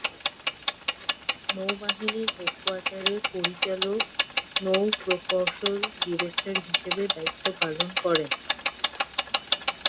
নৌবাহিনীর হেড কোয়ার্টারে পরিচালক নৌ প্রকৌশল ডিরেক্টর হিসেবে দায়িত্ব পালন করেন।